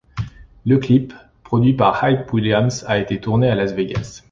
Le clip, produit par Hype Williams, a été tourné à Las Vegas.